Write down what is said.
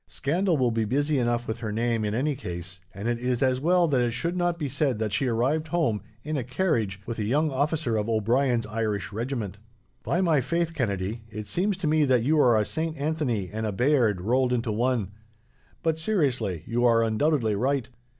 Scandal will be busy enough with her name, in any case, and it is as well that it should not be said that she arrived home, in a carriage, with a young officer of O'Brien's Irish regiment." "By my faith, Kennedy, it seems to me that you are a Saint Anthony and a Bayard rolled into one. But, seriously, you are undoubtedly right.